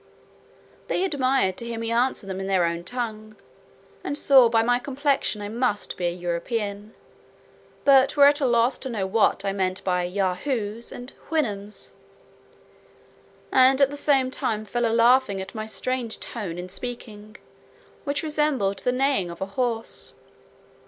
They admired to hear me answer them in their own tongue, and saw by my complexion I must be a European; but were at a loss to know what I meant by Yahoos and Houyhnhnms; and at the same time fell a laughing at my strange tone in speaking, which resembled the neighing of a horse.